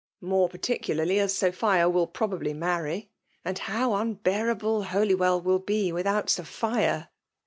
More particularly as Sophia mil probably marry. And how unbearable Holywell will be without Sophia !